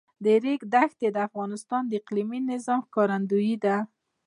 د ریګ دښتې د افغانستان د اقلیمي نظام ښکارندوی ده.